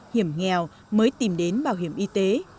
hiểm nghèo mới tìm đến bảo hiểm y tế